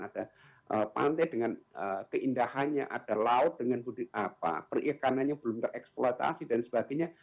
ada pantai dengan keindahannya ada laut dengan budi apa perikanannya belum tereksploitasi dan sebagainya